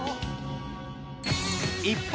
一方